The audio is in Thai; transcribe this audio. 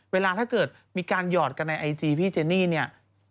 เวลาถ้าเกิดมีการหยอดกันในไอจีพี่เจนี่เนี่ย